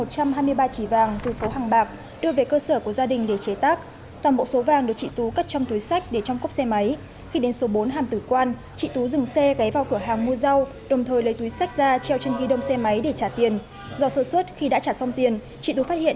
các bạn hãy đăng ký kênh để ủng hộ kênh của chúng mình nhé